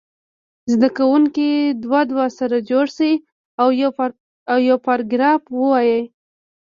زده کوونکي دوه دوه سره جوړ شي او یو پاراګراف ووایي.